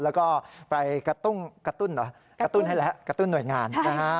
แล้วก็ไปกระตุ้นหน่วยงาน